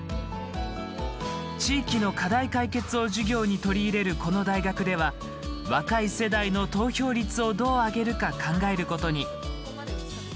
地域の課題解決を授業に取り入れる、この大学では若い世代の投票率をどう上げるか、考えることに。